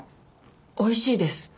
おいしいです。